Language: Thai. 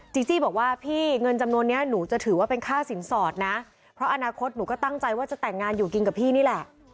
จีจี้บอกว่าพี่เงินจำนวนนี้หนูจะถือว่าเป็นค่าสินสอดนะเพราะอนาคตหนูก็ตั้งใจว่าจะแต่งงานอยู่กินกับพี่นี่แหละ